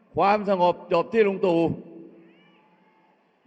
เอาข้างหลังลงซ้าย